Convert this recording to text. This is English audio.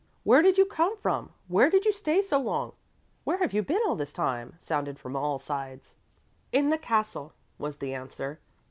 "Where do you come from? Where did you stay so long? Where have you been all this time," sounded from all sides. "In the castle," was the answer.